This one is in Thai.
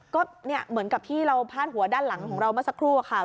ก็เนี่ยเหมือนกับที่เราพาดหัวด้านหลังของเราเมื่อสักครู่ค่ะ